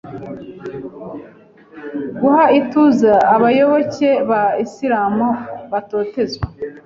guha ituze abayoboke ba Islam batotezwa,